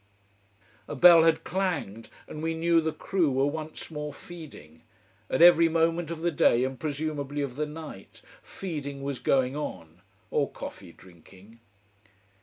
A bell had clanged and we knew the crew were once more feeding. At every moment of the day and presumably of the night, feeding was going on or coffee drinking.